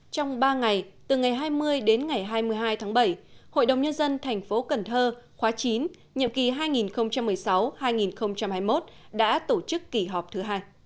trong ba ngày từ ngày hai mươi đến ngày hai mươi hai tháng bảy hội đồng nhân dân thành phố cần thơ khóa chín nhiệm kỳ hai nghìn một mươi sáu hai nghìn hai mươi một đã tổ chức kỳ họp thứ hai